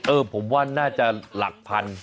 เออผมว่าน่าจะหลักพัน